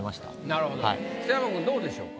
なるほど北山君どうでしょうか？